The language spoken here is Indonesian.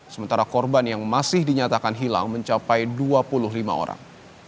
sementara korban yang masih dinyatakan hilang mencapai dua puluh lima orang